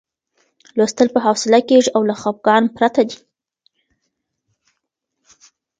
لوستل په حوصله کېږي او له خپګان پرته دی.